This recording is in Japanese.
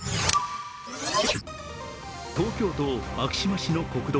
東京都昭島市の国道。